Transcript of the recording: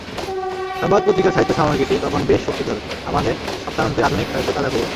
সংবাদ পত্রিকার সাহিত্য সাময়িকীটি তখন বেশ শক্তিধর—আমাদের সপ্তাহান্তের আধুনিক সাহিত্যের তাজা খবর।